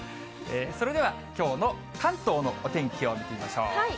それでは、きょうの関東のお天気を見てみましょう。